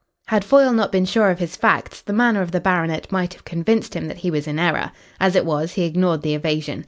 Had Foyle not been sure of his facts the manner of the baronet might have convinced him that he was in error. As it was, he ignored the evasion.